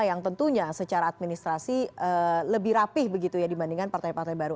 yang tentunya secara administrasi lebih rapih begitu ya dibandingkan partai partai baru